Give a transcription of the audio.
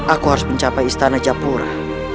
aku harus mencapai istana japura